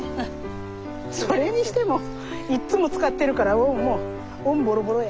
それにしてもいっつも使ってるからもうオンボロボロや。